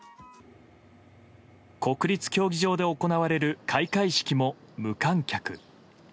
国立競技場で行われる開会式も無観客。